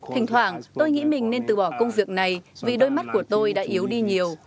thỉnh thoảng tôi nghĩ mình nên từ bỏ công việc này vì đôi mắt của tôi đã yếu đi nhiều